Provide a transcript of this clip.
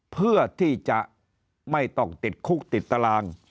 เพื่อที่จะไม่ต้องติดคุกติดตาราง